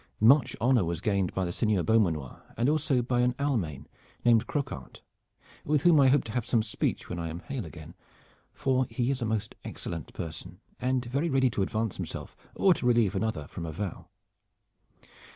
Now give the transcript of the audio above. Much honor was gained by the Sieurde Beaumanoir and also by an Almain named Croquart, with whom I hope to have some speech when I am hale again, for he is a most excellent person and very ready to advance himself or to relieve another from a vow.